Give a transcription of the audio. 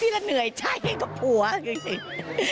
ที่เราเหนื่อยใช่กับผัวคือไอ้